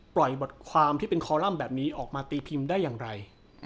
บทความที่เป็นคอลัมป์แบบนี้ออกมาตีพิมพ์ได้อย่างไร